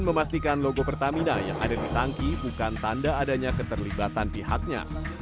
memastikan logo pertamina yang ada di tangki bukan tanda adanya keterlibatan pihaknya